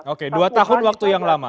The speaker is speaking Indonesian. oke dua tahun waktu yang lama